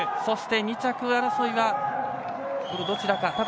そして２着争いはどちらか。